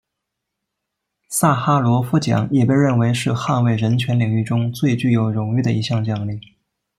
萨哈罗夫奖也被认为是捍卫人权领域中最具有荣誉的一项奖励。